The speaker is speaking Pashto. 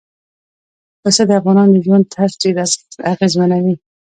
پسه د افغانانو د ژوند طرز ډېر اغېزمنوي.